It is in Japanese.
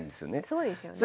そうですよね。